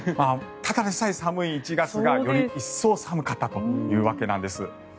ただでさえ寒い１月がより一層、寒かったというわけなんです。